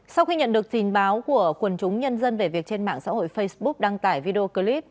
sau khi nhận được tin báo của quần chúng nhân dân về việc trên mạng xã hội facebook đăng tải video clip